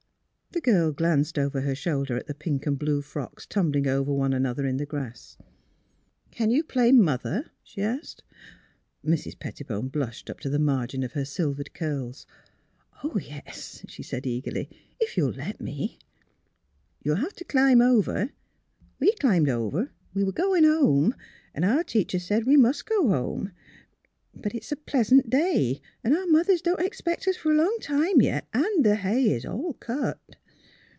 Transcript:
The girl glanced over her shoulder at the pink and blue frocks tumbling over one another in the grass. " Can you play mother? " she asked. Mrs. Pettibone blushed up to the margin of her silvered curls. '^ Yes," she said, eagerly, '* if you will let me." " You'll have to climb over. We climbed over. We were going home. Our teacher said we must go home. But it is a plea'sant day. Our moth ers don't expect us for a long time yet, and the hay is all cut.